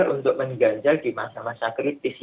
untuk mengganjal di masa masa kritis